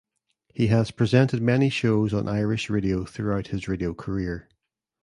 He has presented many shows on Irish radio throughout his radio career.